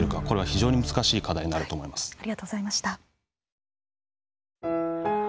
これは非常に難しい課題になると思います。